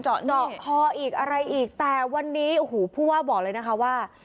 เจาะคออีกอะไรอีกแต่วันนี้โอ้โหผู้ว่าบอกเลยนะคะว่า